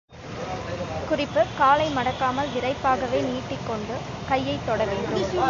குறிப்பு காலை மடக்காமல் விறைப்பாகவே நீட்டிக்கொண்டு கையைத் தொட வேண்டும்.